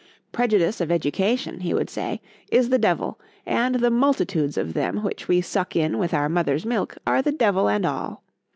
—Prejudice of education, he would say, is the devil,—and the multitudes of them which we suck in with our mother's milk—_are the devil and all.